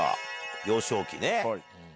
幼少期ね。